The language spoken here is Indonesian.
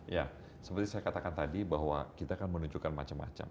ya seperti saya katakan tadi bahwa kita akan menunjukkan macam macam